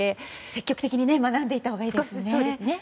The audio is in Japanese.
積極的に学んでいったほうがいいですね。